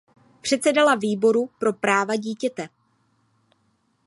Předsedala výboru pro práva dítěte.